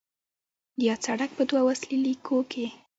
یاد سړک په دوو اصلي لیکو کې